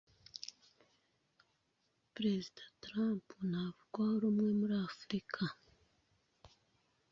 Perezida Trump ntavugwaho rumwe muri Africa,